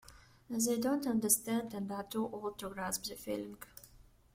They don't understand and are too old to grasp the feeling.